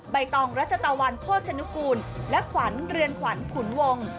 ใบตองรัชตะวันโภชนุกูลและขวัญเรือนขวัญขุนวง